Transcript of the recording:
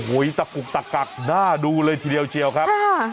โอ้ยตกกตกตากกหน้าดูเลยทีเดียวเชียวครับอ่า